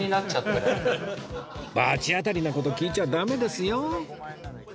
罰当たりな事聞いちゃダメですよ